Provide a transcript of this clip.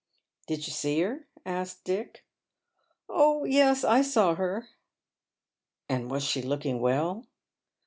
" Did you see her ?" asks Dick. " Oh yes, I saw her." "And was she looking well